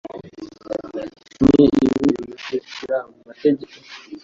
Ni ibi bikurikira mu mategeko